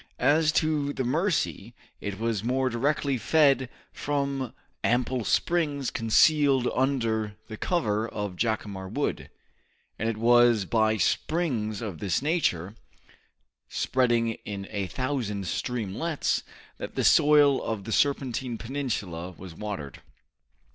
As to the Mercy, it was more directly fed from ample springs concealed under the cover of Jacamar Wood, and it was by springs of this nature, spreading in a thousand streamlets, that the soil of the Serpentine Peninsula was watered.